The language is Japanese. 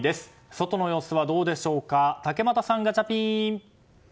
外の様子はどうでしょうか竹俣さん、ガチャピン！